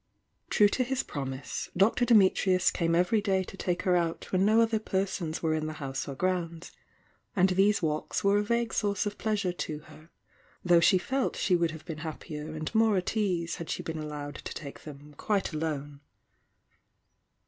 True to his promise. Dr. Dimitrius came every day to take her out when no other persons were in the house or grounds, — and these walks were a vague source of pleasure to her, though she felt she would have been happier and more at ease had she been allowed to take them quite alone.